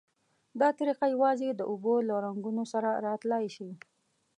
دا طریقه یوازې د اوبو له رنګونو سره را تلای شي.